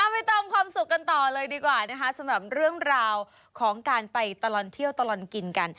ไปเติมความสุขกันต่อเลยดีกว่านะคะสำหรับเรื่องราวของการไปตลอดเที่ยวตลอดกินกัน